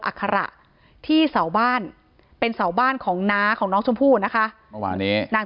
อักษระที่สาวบ้านเป็นสาวบ้านของน้าของน้องชมพู่นะคะนาง